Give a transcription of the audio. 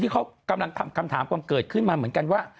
เขากำลังทำคำถามความเกิดขึ้นมาเหมือนกันว่า